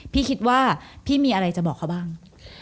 พี่คิดว่าพี่มีอะไรจะบอกเขาบ้าง